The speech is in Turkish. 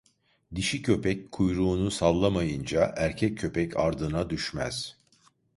Dişi köpek kuyruğunu sallamayınca, erkek köpek ardına düşmez.